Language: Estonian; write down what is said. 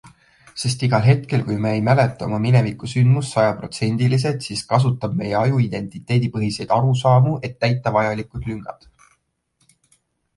Sest igal hetkel kui me ei mäleta oma minevikusündmust sajaprotsendiliselt, siis kasutab meie aju identiteedipõhiseid arusaamu, et täita vajalikud lüngad.